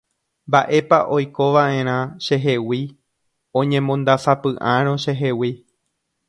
Mba'épa oikova'erã chehegui oñemondasapy'árõ chehegui